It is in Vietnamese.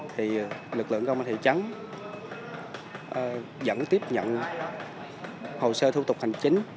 thì lực lượng công an thị trấn vẫn tiếp nhận hồ sơ thủ tục hành chính